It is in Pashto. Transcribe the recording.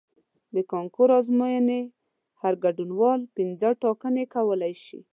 د کانکور ازموینې هر ګډونوال پنځه ټاکنې کولی شي.